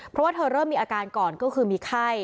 เพราะว่าเธอเริ่มมีอาการก่อนก็คือมีไข้